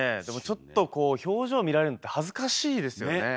でもちょっとこう表情見られるのって恥ずかしいですよね。